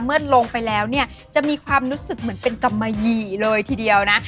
เมื่อลงไปแล้วเนี่ยจะมีความรู้สึกเหมือนเป็นกำมะหยี่เลยทีเดียวนะ